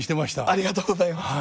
ありがとうございます。